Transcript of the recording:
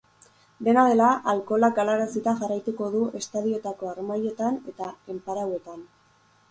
Dena dela, alkoholak galarazita jarraituko du estadioetako harmailetan eta enparauetan.